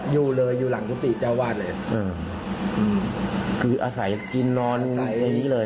อยู่เลยอยู่หลังกุฏิเจ้าวาดเลยเอออืมคืออาศัยกินนอนในอย่างงี้เลย